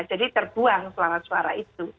jadi terbuang suara suara itu